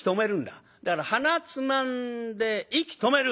だから鼻つまんで息止める！